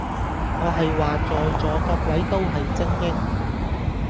我係話在座各位都係精英